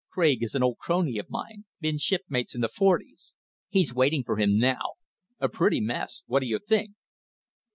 Craig is an old crony of mine. Been shipmates in the forties. He's waiting for him now. A pretty mess! What do you think?"